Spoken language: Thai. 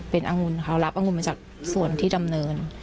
เป็นองุ่นเขารับองุ่นมาจากส่วนที่ดำเนิน